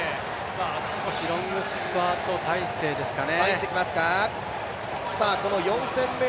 少しロングスパート体制ですかね。